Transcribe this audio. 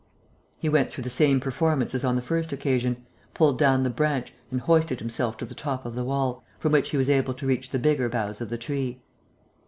He went through the same performance as on the first occasion, pulled down the branch and hoisted himself to the top of the wall, from which he was able to reach the bigger boughs of the tree.